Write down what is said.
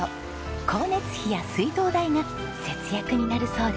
光熱費や水道代が節約になるそうです。